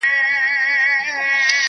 وئیل یې پرهرونه په هوا کله رغېږي -